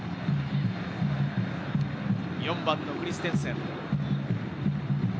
４番のクリステンセン。